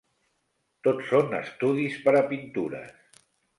Tot són estudis per a pintures.